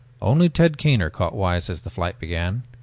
Only Teddy Kaner caught wise as the flight began.